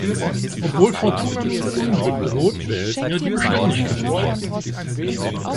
Obwohl Fortuna nun mit Unglück droht, wählt er die Beständigkeit.